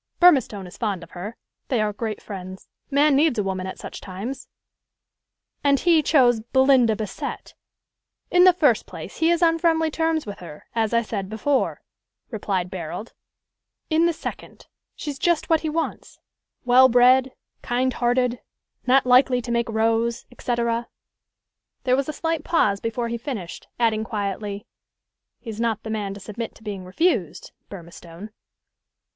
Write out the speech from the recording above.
Burmistone is fond of her. They are great friends. Man needs a woman at such times." "And he chose Belinda Bassett?" "In the first place, he is on friendly terms with her, as I said before," replied Barold; "in the second, she's just what he wants well bred, kind hearted, not likely to make rows, et caetera." There was a slight pause before he finished, adding quietly, "He's not the man to submit to being refused Burmistone."